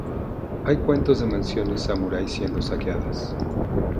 Hay cuentos de mansiones samurái siendo saqueadas.